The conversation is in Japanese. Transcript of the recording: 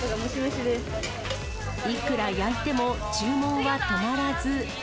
いくら焼いても、注文は止まらず。